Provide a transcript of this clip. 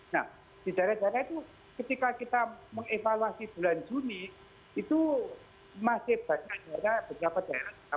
nah di daerah daerah itu ketika kita mengevaluasi bulan juni itu masih banyak daerah beberapa daerah